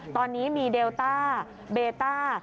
ตอนนี้มีเดลต้าเบต้า